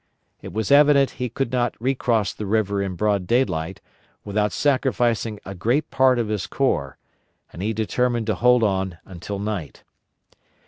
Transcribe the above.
It was evident he could not recross the river in broad daylight without sacrificing a great part of his corps, and he determined to hold on until night.